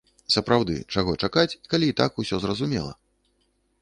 Сапраўды, чаго чакаць, калі і так усё зразумела?